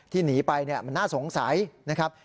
ที่หนีไปน่าสงสัยนะครับ